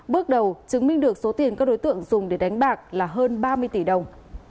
bước đầu chứng minh được số tiền các đối tượng dùng để đánh bạc là hơn ba mươi tỷ đồng